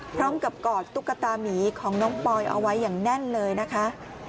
พร้อมกับกอดตุ๊กตามีของน้องปอยเอาไว้อย่างแน่นเลยนะคะ